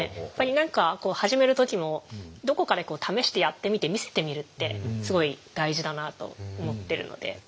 やっぱり何か始める時もどこかで試してやってみて見せてみるってすごい大事だなあと思ってるので。